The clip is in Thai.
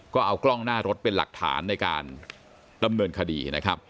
ก็เอากล้องหน้ารถเป็นหลักฐานในการดำเนินคดีนะครับ